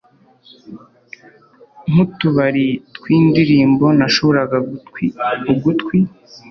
nk'utubari twindirimbo. nashoboraga gutwi ugutwi